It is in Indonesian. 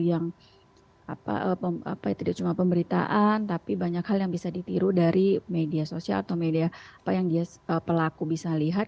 apa itu tidak cuma pemberitaan tapi banyak hal yang bisa ditiru dari media sosial atau media pelaku bisa lihat